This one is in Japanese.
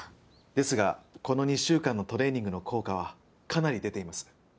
ですがこの２週間のトレーニングの効果はかなり出ています。